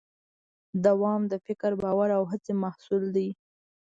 دوام د فکر، باور او هڅې محصول دی.